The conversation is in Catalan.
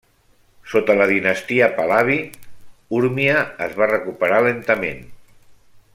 Sota la dinastia Pahlavi, Urmia es va recuperar lentament.